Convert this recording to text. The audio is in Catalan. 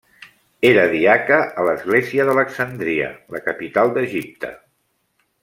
Era diaca a l'església d'Alexandria, la capital d'Egipte.